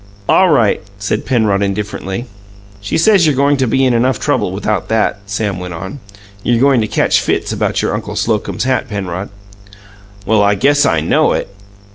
"All right," said Penrod indifferently. "She says you're goin' to be in enough trouble without that," Sam went on. "You're goin' to catch fits about your Uncle Slocum's hat, Penrod." "Well, I guess I know it."